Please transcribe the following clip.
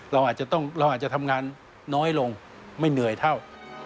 เราอาจจะทำงานน้อยลงไม่เหนื่อยเท่า